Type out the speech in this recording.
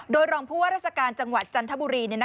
โดยรองผู้ว่าราชการจังหวัดจันทบุรี